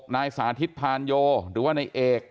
นายสาธิตพานโยหรือว่าในเอก